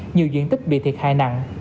nhiều diện tích bị thiệt hại nặng